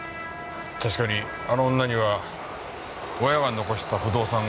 確かにあの女には親が残した不動産がいくつもあった。